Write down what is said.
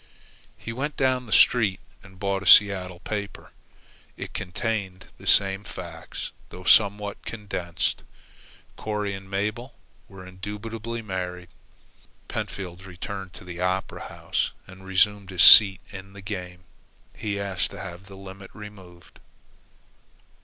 He went down the street and bought a Seattle paper. It contained the same facts, though somewhat condensed. Corry and Mabel were indubitably married. Pentfield returned to the Opera House and resumed his seat in the game. He asked to have the limit removed.